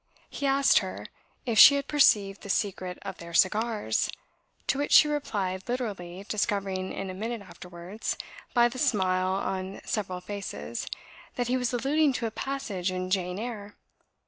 He asked her "if she had perceived the secret of their cigars;" to which she replied literally, discovering in a minute afterwards, by the smile on several faces, that he was alluding to a passage in "Jane Eyre".